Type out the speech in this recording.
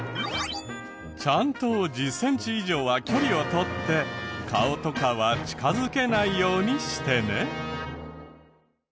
ちゃんと１０センチ以上は距離を取って顔とかは近づけないようにしてね。